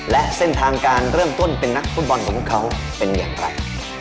และเส้นทางการเริ่มต้นเป็นนักฟุตบอลของเขาเป็นอย่างไร